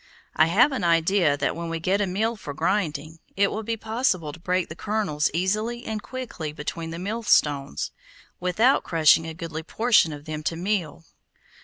I have an idea that when we get a mill for grinding, it will be possible to break the kernels easily and quickly between the millstones, without crushing a goodly portion of them to meal.